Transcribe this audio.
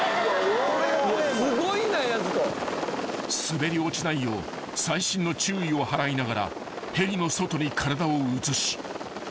［滑り落ちないよう細心の注意を払いながらヘリの外に体を移し］